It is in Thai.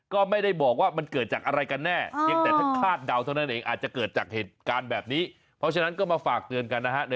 ก็เป็นไปได้เหมือนกัน